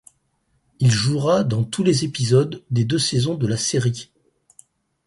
Il jouera dans tous les épisodes des deux saisons de la série.